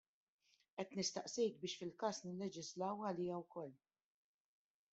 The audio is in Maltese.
Qed nistaqsik biex fil-każ nilleġislaw għaliha wkoll.